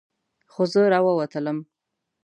خو زه راووتلم.